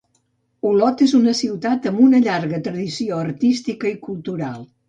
Olot és una ciutat amb una llarga tradició artística i cultural.